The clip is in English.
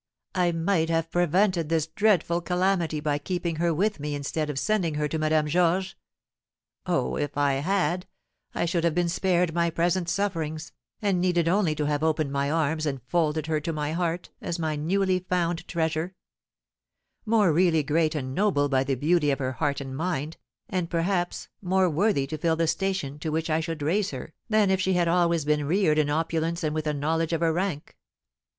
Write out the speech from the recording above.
I might have prevented this dreadful calamity by keeping her with me instead of sending her to Madame Georges. Oh, if I had, I should have been spared my present sufferings, and needed only to have opened my arms and folded her to my heart as my newly found treasure, more really great and noble by the beauty of her heart and mind, and perhaps more worthy to fill the station to which I should raise her, than if she had always been reared in opulence and with a knowledge of her rank!